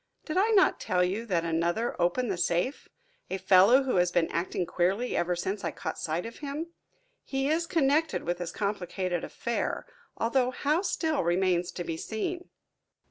Did I not tell you that another opened the safe? a fellow who has been acting queerly ever since I caught sight of him? He is connected with this complicated affair, although how still remains to be seen."